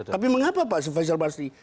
tapi mengapa pak faisal basri